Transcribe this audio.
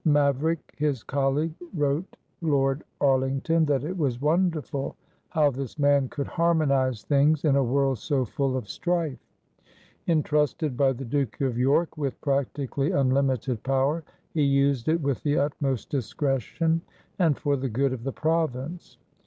Maverick, his colleague, wrote Lord Arlington that it was wonderful how this man could harmonize things in a world so full of strife. Entrusted by the Duke of York with practically unlimited power, he used it with the utmost discretion and for the good of the province.